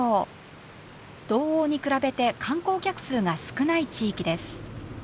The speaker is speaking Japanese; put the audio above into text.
道央に比べて観光客数が少ない地域です。